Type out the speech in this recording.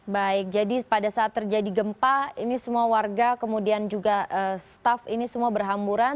baik jadi pada saat terjadi gempa ini semua warga kemudian juga staff ini semua berhamburan